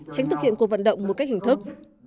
tránh thực hiện cuộc vận động một cách hình thức